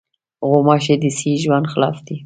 غوماشې د صحي ژوند خلاف دي.